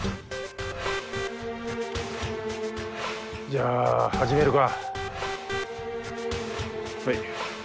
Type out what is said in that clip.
じゃあ始めるか。